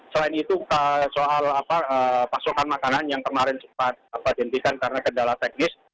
selain itu soal pasokan makanan yang kemarin sempat dihentikan karena kendala teknis